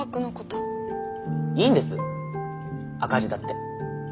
いいんです赤字だって。